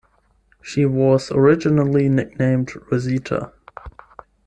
She was originally nicknamed "Rosita".